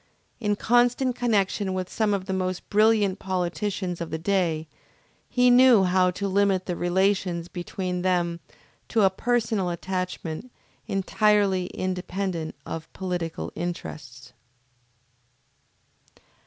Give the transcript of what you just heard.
In constant connection with some of the most brilliant politicians of the day, he knew how to limit the relations between them to a personal attachment entirely independent of political interests.